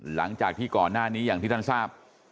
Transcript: หลังจากที่ก่อนหน้านี้อย่างที่ท่านทราบ